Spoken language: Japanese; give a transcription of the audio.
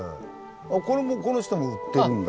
あっこれもこの人も売ってるんだ。